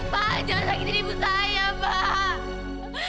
pak jangan sakitin ibu saya pak